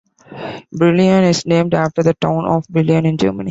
Brillion is named after the town of Brilon, in Germany.